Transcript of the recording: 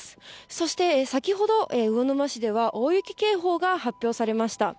そして先ほど、魚沼市では大雪警報が発表されました。